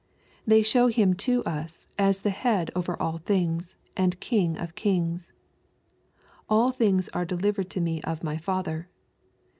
They show Him to us, as the Head over all things, and King of kings :" aU things are delivered to me of my Father.''